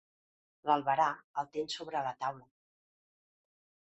L'albarà el tens sobre la taula.